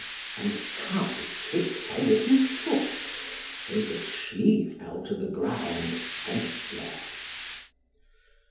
And Kai kicked her with his foot, so that she fell to the ground senseless.